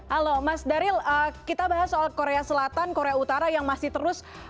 halo mas daryl kita bahas soal korea selatan korea utara yang masih terus